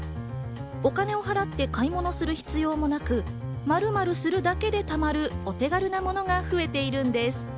お金を払って買い物する必要もなく、○○するだけで貯まるお手軽なものが増えているんです。